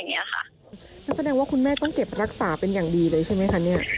แสดงว่าคุณแม่ต้องเก็บรักษาเป็นอย่างดีเลยใช่ไหมคะเนี่ย